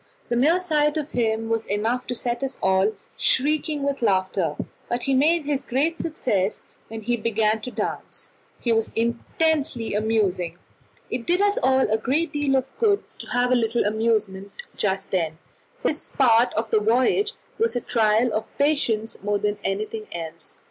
The mere sight of him was enough to set us all shrieking with laughter, but he made his great success when he began to dance. He was intensely amusing. It did us a great deal of good to have a little amusement just then, for this part of the voyage was a trial of patience more than anything else.